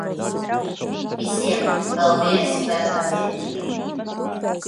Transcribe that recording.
Visiem, paldies par pacietību.